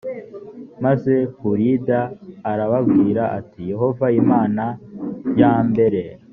maze hulida arababwira ati yehova imana yambere